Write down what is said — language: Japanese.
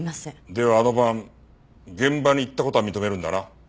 ではあの晩現場に行った事は認めるんだな？